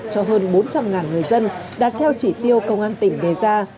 cho hơn bốn trăm linh người dân đạt theo chỉ tiêu công an tỉnh đề ra